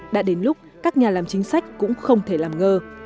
đã đến lúc các nhà làm chính sách cũng không thể làm ngờ